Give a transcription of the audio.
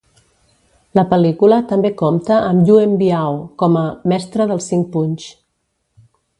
La pel·lícula també compta amb Yuen Biao com a "Mestre dels Cinc Punys".